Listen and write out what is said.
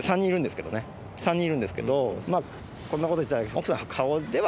３人いるんですけどまぁこんなこと言っちゃ。